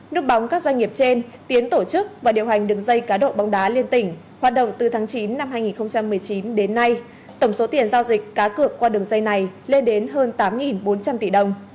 nước bóng các doanh nghiệp trên tiến tổ chức và điều hành đường dây cá độ bóng đá liên tỉnh hoạt động từ tháng chín năm hai nghìn một mươi chín đến nay tổng số tiền giao dịch cá cược qua đường dây này lên đến hơn tám bốn trăm linh tỷ đồng